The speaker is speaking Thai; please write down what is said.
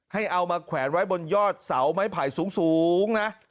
ให้เอามาแขวนไว้บนยอดเสาไม้ไผ่สูงนะ